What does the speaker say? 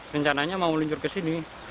rencananya mau luncur ke sini